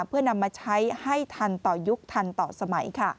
เพื่อนำมาใช้ให้ทันต่อยุคทันต่อสมัย